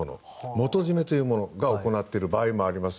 元締めというものが行っている場合もあります